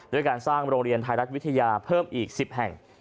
ด้วยการสร้างโรงเรียนไทยรัฐวิทยาเพิ่มอีก๑๐แห่ง